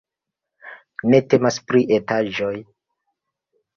Ne temas pri etaĵoj.